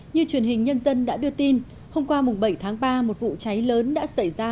như truyền hình nhân dân đã đưa tin hôm qua bảy tháng ba một vụ cháy lớn đã xảy ra